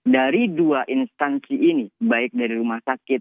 dari dua instansi ini baik dari rumah sakit